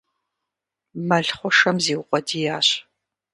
Мэл хъушэм зиукъуэдиящ.